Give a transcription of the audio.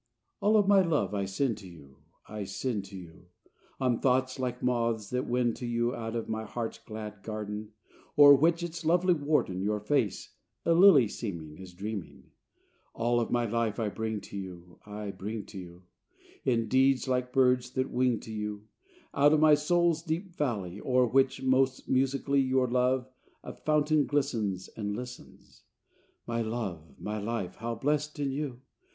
VI All of my love I send to you, I send to you, On thoughts, like moths, that wend to you Out of my heart's glad garden, O'er which, its lovely warden, Your face, a lily seeming, Is dreaming. All of my life I bring to you, I bring to you, In deeds, like birds, that wing to you Out of my soul's deep valley, O'er which, most musically, Your love, a fountain, glistens, And listens. My love, my life, how blessed in you!